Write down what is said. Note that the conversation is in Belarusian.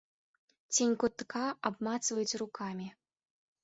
Цень кутка абмацваюць рукамі.